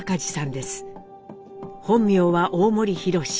本名は大森宏。